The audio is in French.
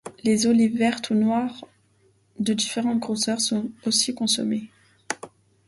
Les olives vertes ou noires de différentes grosseurs sont aussi consommées.